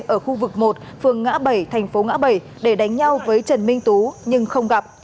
ở khu vực một phường ngã bảy thành phố ngã bảy để đánh nhau với trần minh tú nhưng không gặp